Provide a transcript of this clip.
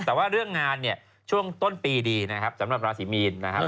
แต่ว่าเรื่องงานเนี่ยช่วงต้นปีดีนะครับสำหรับราศีมีนนะครับ